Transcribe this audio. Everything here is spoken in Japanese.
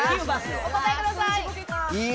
お答えください。